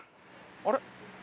あれ？